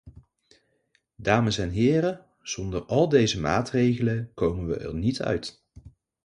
Dames en heren, zonder al deze maatregelen komen we er niet uit.